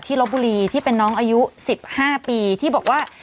ลบบุรีที่เป็นน้องอายุ๑๕ปีที่บอกว่า